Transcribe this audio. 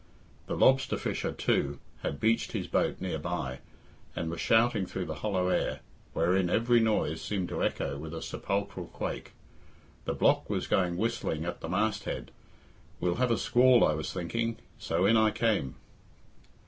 The lobster fisher, too, had beached his boat near by, and was shouting through the hollow air, wherein every noise seemed to echo with a sepulchral quake, "The block was going whistling at the mast head. We'll have a squall I was thinking, so in I came."